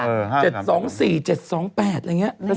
๗๒๔๗๒๘อะไรอย่างนี้